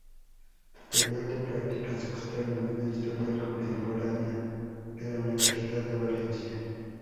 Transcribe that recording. Tutora de prácticas externas de Historia Contemporánea de la Universidad de Valencia.